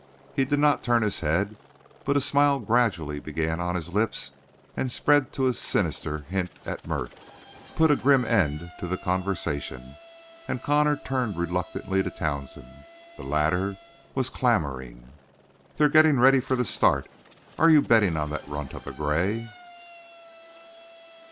He did not turn his head, but a smile gradually began on his lips and spread to a sinister hint at mirth. It put a grim end to the conversation, and Connor turned reluctantly to Townsend. The latter was clamoring. "They're getting ready for the start. Are you betting on that runt of a gray?"